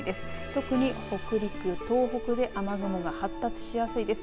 特に北陸、東北で雨雲が発達しやすいです。